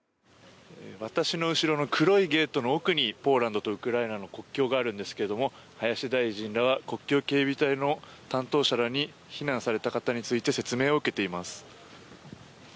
私の後ろの黒いゲートの奥にポーランドとウクライナの国境があるんですけれども林大臣らは国境警備隊の担当者らに避難された方について説明を受けています。